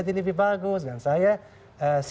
keimpinan terkait dengan pandemi